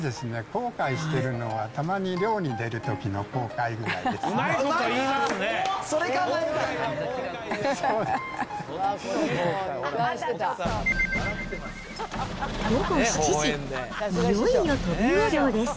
後悔してるのは、たまに漁に出るときの航海ぐらいです。